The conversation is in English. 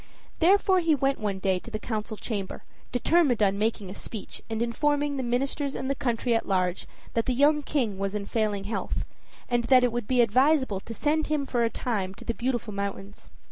Therefore he went one day to the council chamber, determined on making a speech, and informing the ministers and the country at large that the young King was in failing health, and that it would be advisable to send him for a time to the Beautiful Mountains.